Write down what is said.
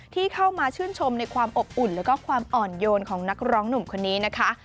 ที่เข้ามาชื่นชมในความอบอุ่นแล้วก็ความอ่อนโยนของนักร้องหนุ่มคนนี้นะคะ